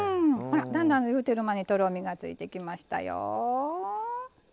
だんだん、言うてる間にとろみがついてきましたよ。